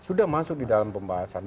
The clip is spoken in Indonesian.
sudah masuk di dalam pembahasan